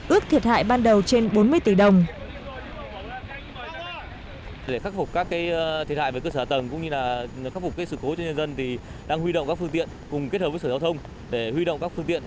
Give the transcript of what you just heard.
ước thiệt hại ban đầu trên bốn mươi tỷ đồng